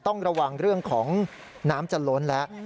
ต้องระวังเรื่องของน้ำจะล้นแล้ว